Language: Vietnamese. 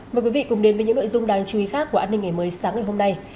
mời quý vị cùng đến với những nội dung đáng chú ý khác của an ninh ngày mới sáng ngày hôm nay